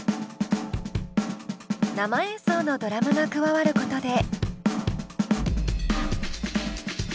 生演奏のドラムが加わることで。